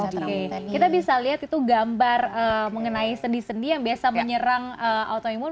oke kita bisa lihat itu gambar mengenai sendi sendi yang biasa menyerang autoimun